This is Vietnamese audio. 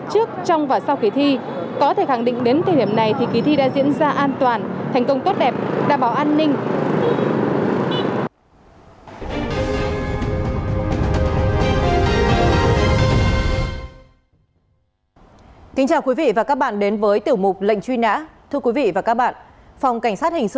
trước trong và sau kỳ thi có thể khẳng định đến thời điểm này